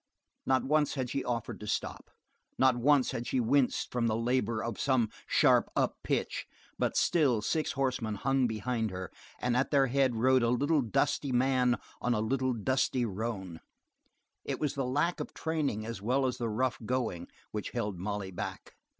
Not once had she offered to stop; not once had she winced from the labor of some sharp up pitch; but still six horsemen hung behind her, and at their head rode a little dusty man on a little dusty roan. It was the lack of training as well as the rough going which held Molly back.